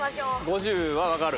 ５０は分かる？